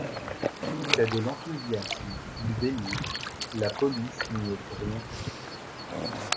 C'est de l'enthousiasme, du délire ; la police n'y est pour rien.